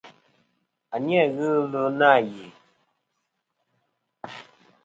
A ni-a ghɨ ɨlvɨ na.